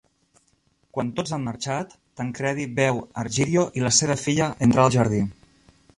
Quan tots han marxat, Tancredi veu Argirio i la seva filla entrar al jardí.